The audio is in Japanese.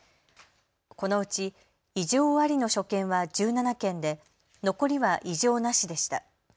このうち、異常ありの所見は１７件で残りは異常なしでした。